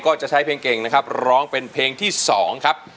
ก็จะใช้เพลงเก่งนะครับร้องเป็นเพลงที่๒ครับ